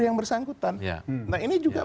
yang bersangkutan nah ini juga